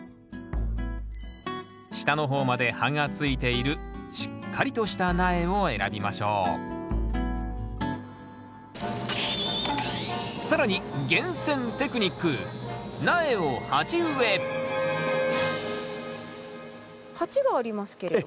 下の方まで葉がついているしっかりとした苗を選びましょう更に厳選テクニック鉢がありますけれども。